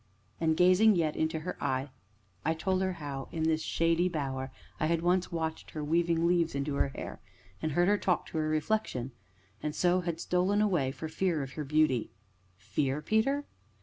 And, gazing yet into her eyes, I told her how, in this shady bower, I had once watched her weaving leaves into her hair, and heard her talk to her reflection and so had stolen away, for fear of her beauty. "Fear, Peter?"